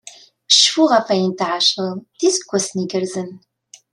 Cfu ɣef ayen tεaceḍ d iseggasen igerrzen!